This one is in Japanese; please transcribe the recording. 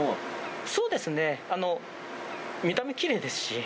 そうですね、見た目きれいですし。